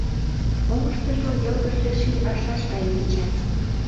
Оҥыштыжо йылгыжше ший аршаш гае кеча.